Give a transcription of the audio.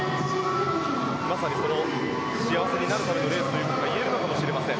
まさにその幸せになるためのレースといえるのかもしれません。